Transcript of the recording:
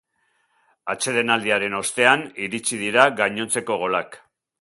Atsedenaldiaren ostean iritsi dira gainontzeko golak.